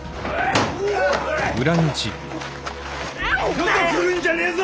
二度と来るんじゃねえぞ！